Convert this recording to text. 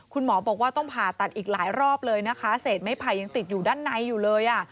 คุณหมอบอกว่าต้องผ่าตัดอีกหลายรอบเลยนะคะเศษไม้ไผ่ยังติดอยู่ด้านในอยู่เลยอ่ะ